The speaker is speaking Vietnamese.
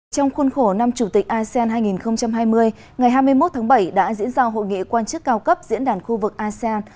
trong khuôn khổ năm chủ tịch asean hai nghìn hai mươi ngày hai mươi một tháng bảy đã diễn ra hội nghị quan chức cao cấp diễn đàn khu vực asean